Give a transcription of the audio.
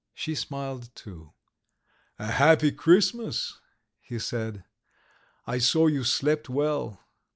She smiled too. "A happy Christmas!" he said. "I saw you slept well."